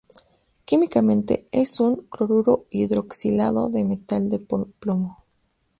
Químicamente es un cloruro hidroxilado de metal de plomo.